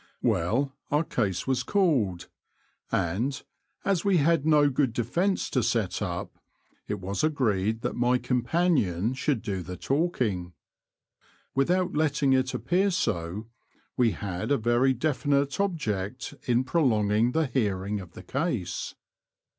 Well, The Confessions of a T^oacher, 143 our case was called, and, as we had no good defence to set up, it was agreed that my com panion should do the talking. Without letting it appear so, we had a very definite object in • prolonging the hearing of the case.